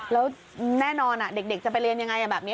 แล้วแน่นอนเด็กจะไปเรียนอย่างไร